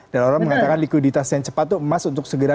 dan orang mengatakan likuiditas yang cepat itu emas untuk segera